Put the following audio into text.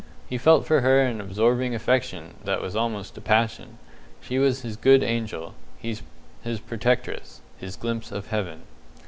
He felt for her an absorbing affection that was almost a passion. She was his good angel, his protectress, his glimpse of Heaven.